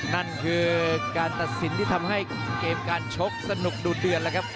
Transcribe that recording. นั่นคือการตัดสินที่ทำให้เกมการชกสนุกดูดเดือดแล้วครับ